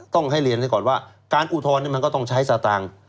ต้องให้เรียนให้ก่อนว่าการอุทธรณ์มันก็ต้องใช้สตางค์